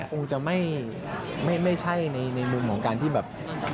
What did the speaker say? คงจะไม่ใช่ในมุมของการที่แบบ